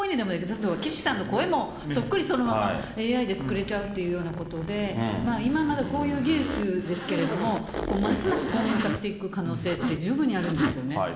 例えば岸さんの声も、そっくりそのまま、ＡＩで作れちゃうっていうようなことで、今はまだこういう技術ですけども、ますます巧妙化していく可能性って十分にあるんですよね。